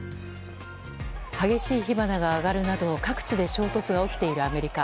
激しい火花が上がるなど各地で衝突が起きているアメリカ。